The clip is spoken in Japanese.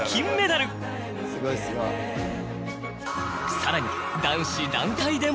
さらに男子団体でも。